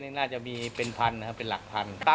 เนื่องจากว่าอยู่ระหว่างการรวมพญาหลักฐานนั่นเองครับ